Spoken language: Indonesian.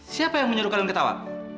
siapa yang menyuruh kalian ketawa